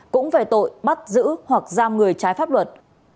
cũng về tội bắt giữ hoặc giam người trái pháp luật